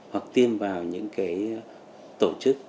hoặc tiêm vào những tổ chức